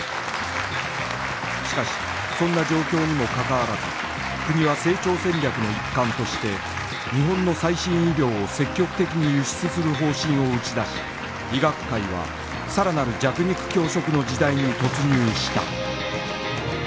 しかしそんな状況にもかかわらず国は成長戦略の一環として日本の最新医療を積極的に輸出する方針を打ち出し医学界はさらなる弱肉強食の時代に突入した